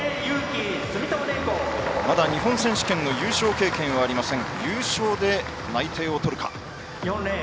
日本選手権の優勝経験がありません、小池優勝で内定を取るか。